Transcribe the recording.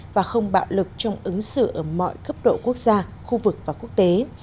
và không bạo lực trong ứng xử ở mọi cấp độ quốc gia khu vực và quốc tế